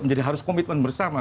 menjadi harus komitmen bersama